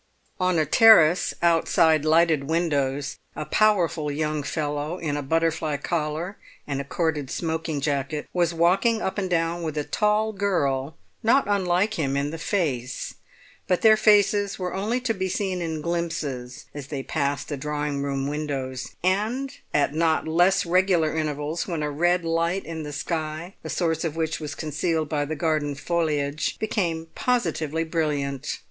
On a terrace outside lighted windows a powerful young fellow, in a butterfly collar and a corded smoking jacket, was walking up and down with a tall girl not unlike him in the face; but their faces were only to be seen in glimpses as they passed the drawing room windows, and at not less regular intervals when a red light in the sky, the source of which was concealed by the garden foliage, became positively brilliant.